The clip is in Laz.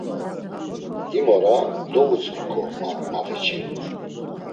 Him ora dovutzviǩo, ma mafiçiru.